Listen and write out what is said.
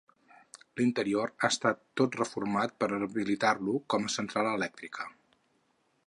L'interior ha estat tot reformat per habilitar-ho com a central elèctrica.